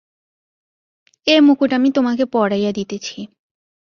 এ মুকুট আমি তোমাকে পরাইয়া দিতেছি।